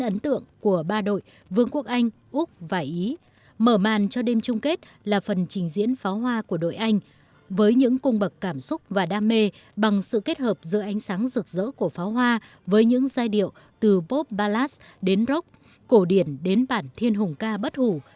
mở màn cho đêm chung kết là phần trình diễn pháo hoa của đội anh với những cung bậc cảm xúc và đam mê bằng sự kết hợp giữa ánh sáng rực rỡ của pháo hoa với những giai điệu từ pop ballast đến rock cổ điển đến bản thiên hùng ca bất hủ